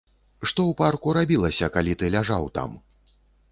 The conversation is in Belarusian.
Што ў парку рабілася, калі ты ляжаў там?